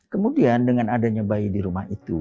kemudian dengan adanya bayi di rumah itu